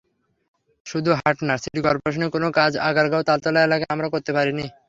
শুধু হাট না, সিটি করপোরেশনের কোনো কাজ আগারগাঁও-তালতলা এলাকায় আমরা করতে পারিনি।